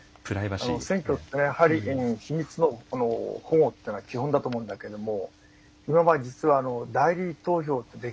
選挙ってやはり秘密の保護というのが基本だと思うんだけども今は実は代理投票ってできるんですね。